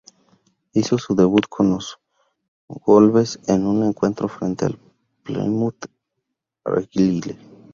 Hizo su debut con los Wolves en un encuentro frente al Plymouth Argyle.